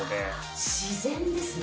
自然ですね。